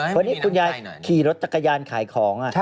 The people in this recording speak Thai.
เพราะนี่คุณยายขี่รถตะกะยานขายของ